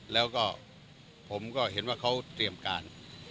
แล้วก็ผมก็เห็นว่าเขาเตรียมการ